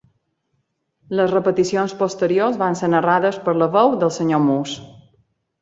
Les repeticions posteriors van ser narrades per la veu del senyor Moose.